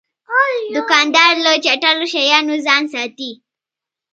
دوکاندار له چټلو شیانو ځان ساتي.